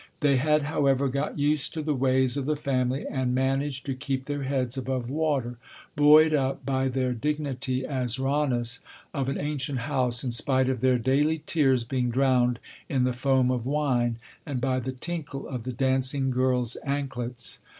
They had, however, got used to the ways of the family, and managed to keep their heads above water, buoyed up by their dignity as __Ranis__ of an ancient house, in spite of their daily tears being drowned in the foam of wine, and by the tinkle of the "dancing girls" anklets.